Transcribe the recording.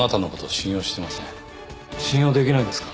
信用できないですか？